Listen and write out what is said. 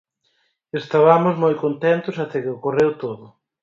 Estabamos moi contentos até que ocorreu todo.